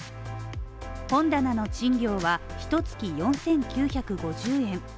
本棚の賃料はひとつき４９５０円。